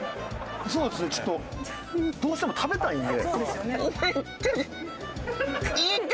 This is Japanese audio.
そうですねちょっとどうしても食べたいので。